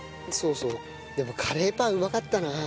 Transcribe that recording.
そうそうやっぱカレーパンうまかったな。